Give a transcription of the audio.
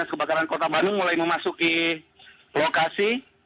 kebakaran kota bandung mulai memasuki lokasi